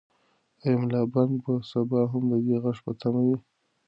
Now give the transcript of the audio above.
آیا ملا بانګ به سبا هم د دې غږ په تمه وي؟